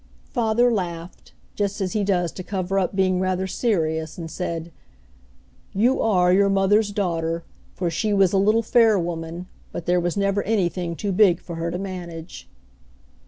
Father laughed, just as he does to cover up being rather serious, and said: "You are your mother's daughter, for she was a little fair woman, but there was never anything too big for her to manage."